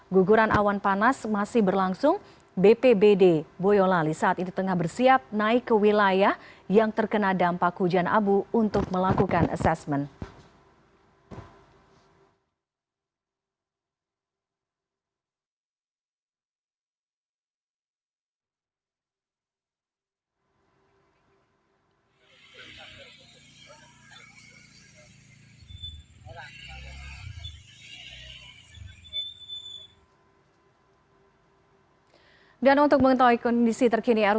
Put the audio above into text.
guguran awan panas masih berlangsung bpbd boyolali saat ini tengah bersiap naik ke wilayah yang terkena dampak hujan abu untuk melakukan asesmen